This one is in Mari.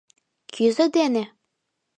Кӱзӧ дене?!